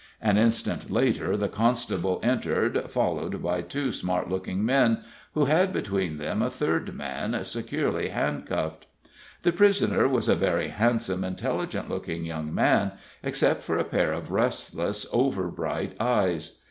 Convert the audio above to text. An instant later the constable entered, followed by two smart looking men, who had between them a third man, securely handcuffed. The prisoner was a very handsome, intelligent looking young man, except for a pair of restless, over bright eyes.